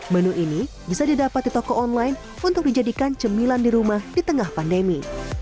menu ini bisa didapat di toko online untuk dijadikan cemilan di rumah di tengah pandemi